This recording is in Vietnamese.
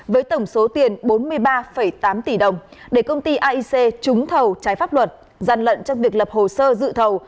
với tổng số tiền bốn mươi ba tám tỷ đồng để công ty aic trúng thầu trái pháp luật gian lận trong việc lập hồ sơ dự thầu